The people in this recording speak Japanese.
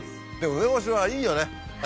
梅干しはいいよね。